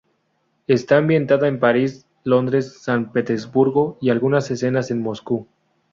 Está ambientada en París, Londres, San Petersburgo y algunas escenas en Moscú.